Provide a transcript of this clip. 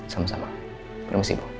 sama sama permisi bu